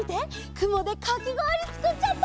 くもでかきごおりつくっちゃった！